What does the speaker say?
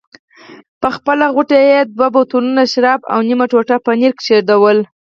په خپله غوټه کې یې دوه بوتلونه شراب او نیمه ټوټه پنیر کېښوول.